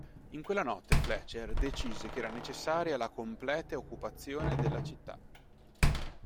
In quella notte Fletcher decise che era necessaria la complete occupazione della città.